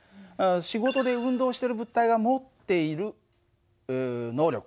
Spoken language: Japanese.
仕事で運動してる物体が持っている能力